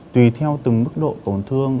tùy theo từng mức độ tổn thương